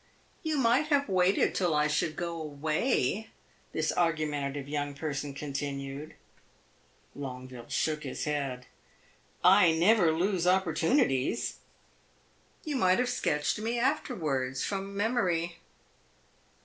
"You might have waited till I should go away," this argumentative young person continued. Longueville shook his head. "I never lose opportunities!" "You might have sketched me afterwards, from memory."